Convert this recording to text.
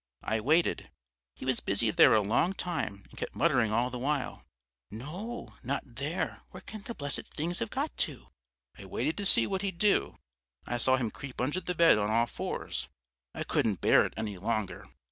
I waited he was busy there a long time and kept muttering all the while, 'No, not there, where can the blessed things have got to!' I waited to see what he'd do; I saw him creep under the bed on all fours. I couldn't bear it any longer.